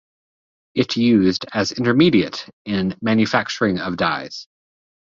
It used as intermediate in manufacturing of dyes.